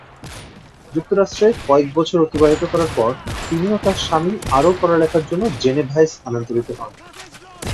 যুক্তরাষ্ট্রে কয়েক বছর অতিবাহিত করার পর তিনি ও তার স্বামী আরও পড়ালেখার জন্য জেনেভায় স্থানান্তরিত হন।